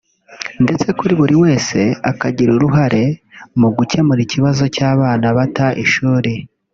ndetse buri wese akagira uruhare mu gukemura ikibazo cy’abana bata ishuri